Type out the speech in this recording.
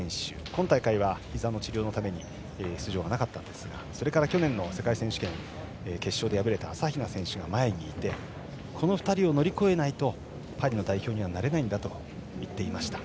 今大会はひざの治療のため出場がなかったんですがそれから去年の世界選手権決勝で敗れた朝比奈選手が前にいてこの２人を乗り越えないとパリの代表にはなれないんだと言っていました。